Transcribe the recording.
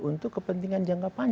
untuk kepentingan jangka panjang